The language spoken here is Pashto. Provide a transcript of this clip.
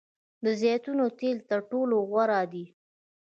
د زیتون تیل تر ټولو غوره دي.